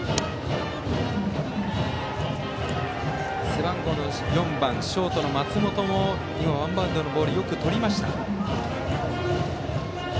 背番号４番ショートの松本も今、ワンバウンドのボールをよくとりました。